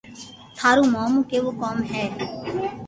ٿارو مون ڪيوُ ڪوم ھي